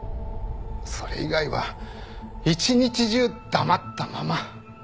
それ以外は一日中黙ったまま。